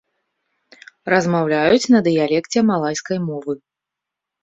Размаўляюць на дыялекце малайскай мовы.